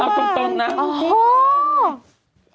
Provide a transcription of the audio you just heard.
เอานั่นตรงน่ะโอ้โฮ